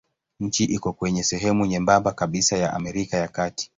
Nchi iko kwenye sehemu nyembamba kabisa ya Amerika ya Kati.